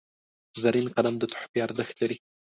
زرین قلم د تحفې ارزښت لري.